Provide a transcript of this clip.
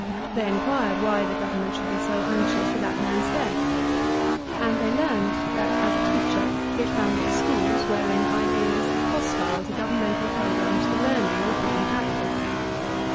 They inquired why the Government should be so anxious for that man's death. And they learned that as a«teacher he had founded schoob wherein ideas hostile to governmental programs for learning, were put in practice.